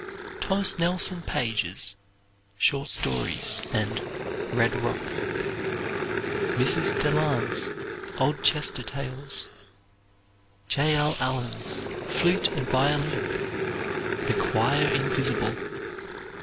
Thomas Nelson Page's "Short Stories," and "Red Rock." Mrs. Delands' "Old Chester Tales." J. L. Allen's "Flute and Violin," "The Choir Invisible."